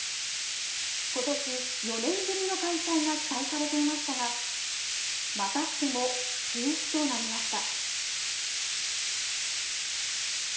今年、４年ぶりの開催が期待されていましたがまたしても中止となりました。